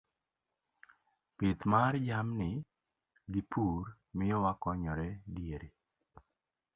Pith mar jamni gi pur miyo wakonyore diere